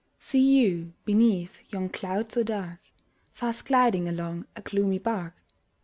See you, beneath yon cloud so dark, Fast gliding along a gloomy bark?